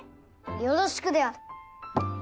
よろしくである。